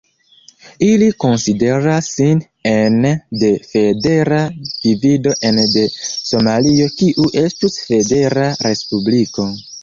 Ili konsideras sin ene de federa divido ene de Somalio kiu estus federa respubliko.